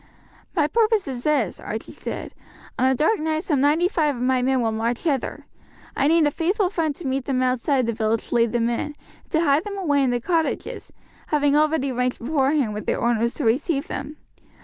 "My purpose is this," Archie said. "On a dark night some ninety five of my men will march hither; I need a faithful friend to meet them outside the village to lead them in, and to hide them away in the cottages, having already arranged beforehand with their owners to receive them.